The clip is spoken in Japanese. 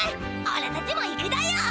おらたちも行くだよ！